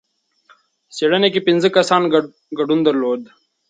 څېړنې کې پنځه کسانو ګډون درلود.